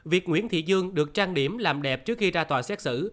việc nguyễn thị dương được trang điểm làm đẹp trước khi ra tòa xét xử